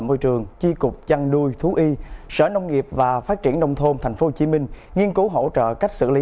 môi trường chi cục chăn nuôi thú y sở nông nghiệp và phát triển nông thôn tp hcm nghiên cứu hỗ trợ cách xử lý